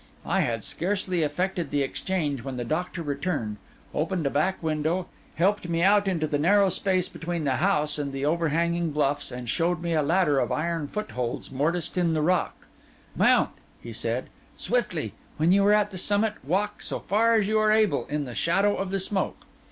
I had scarcely effected the exchange when the doctor returned, opened a back window, helped me out into the narrow space between the house and the overhanging bluffs, and showed me a ladder of iron footholds mortised in the rock. 'Mount,' he said, 'swiftly. When you are at the summit, walk, so far as you are able, in the shadow of the smoke.